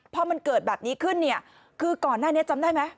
พอมันเกิดแบบนี้ขึ้นเนี่ยคือก่อนหน้านี้จำได้ไหม